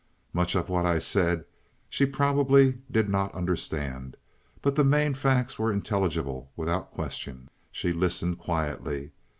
"Much of what I said, she probably did not understand, but the main facts were intelligible without question. She listened quietly.